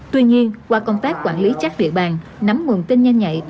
tuy nhiên qua công tác quản lý chắc địa bàn nắm nguồn tin nhanh nhạy